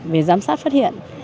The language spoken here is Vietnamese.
về giám sát phát hiện